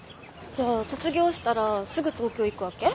じゃあ卒業したらすぐ東京行くわけ？